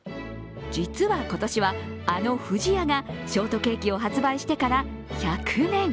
実は今年はあの不二家がショートケーキを発売して１００年。